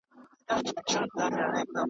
ارواښاد عبدالرؤف بېنوا